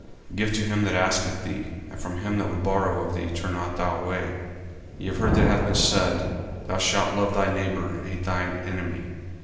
40:005:042 Give to him that asketh thee, and from him that would borrow of thee turn not thou away. 40:005:043 Ye have heard that it hath been said, Thou shalt love thy neighbour, and hate thine enemy.